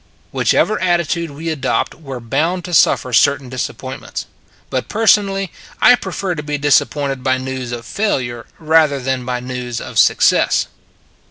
Whichever attitude we adopt we re bound to suffer certain disappointments; but personally I prefer to be disappointed by news of failure rather than by news of success.